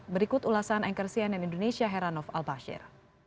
berikut ulasan enkersian dan indonesia heranov al bashir